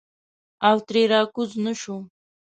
او ترې راکوز نه شو.